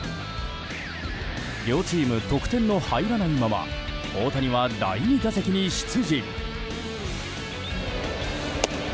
両チーム、得点の入らないまま大谷は第２打席に出陣。